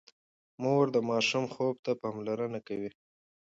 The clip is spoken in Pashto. مور د ماشوم خوب ته پاملرنه کوي۔